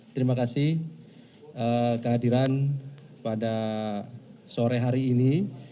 terima kasih kehadiran pada sore hari ini